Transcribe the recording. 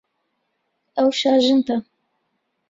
ئەو شاژنتە.